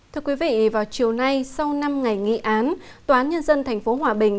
thưa quý vị vào chiều nay sau năm ngày nghị án tòa án nhân dân tp hòa bình